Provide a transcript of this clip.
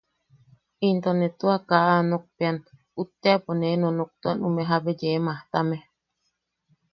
Into ne tua... ne kaa a nokpean, utteʼapo ne nonoktuan ume jabe yee majtame.